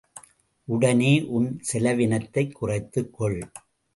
உடனே உன் செலவினத்தைக் குறைத்துக்கொள்.